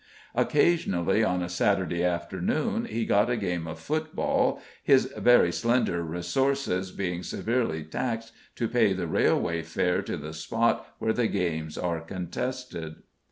Occasionally on a Saturday afternoon he got a game of football, his very slender resources being severely taxed to pay the railway fare to the spot where the games are contested.